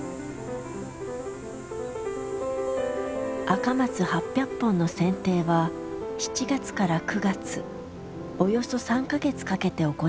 赤松８００本の剪定は７月から９月およそ３か月かけて行われる。